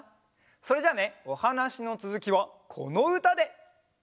それじゃあねおはなしのつづきはこのうたで！